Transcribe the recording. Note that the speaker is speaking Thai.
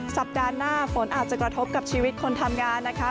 สัปดาห์หน้าฝนอาจจะกระทบกับชีวิตคนทำงานนะคะ